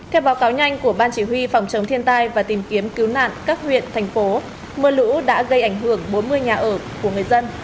theo báo cáo nhanh của ban chỉ huy phòng chống thiên tai và tìm kiếm cứu nạn các huyện thành phố mưa lũ đã gây ảnh hưởng bốn mươi nhà ở của người dân